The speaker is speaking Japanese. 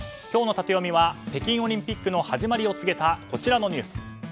今日のタテヨミは北京オリンピックの始まりを告げたこちらのニュース